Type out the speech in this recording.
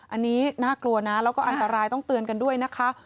อันนี้น่ากลัวนะแล้วก็อันตรายต้องเตือนกันด้วยนะคะ